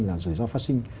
là rủi ro phát sinh